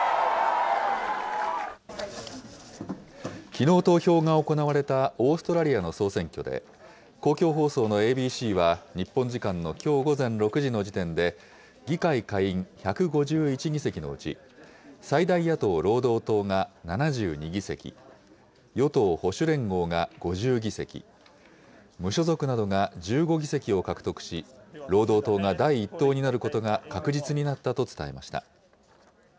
きのう投票が行われたオーストラリアの総選挙で、公共放送のＡＢＣは日本時間のきょう午前６時の時点で、議会下院１５１議席のうち、最大野党・労働党が７２議席、与党・保守連合が５０議席、無所属などが１５議席を獲得し、労働党が第１党になることが確実になったと伝えました。